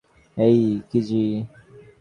এই, কিজি।